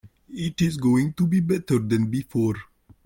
It is going to be better than before.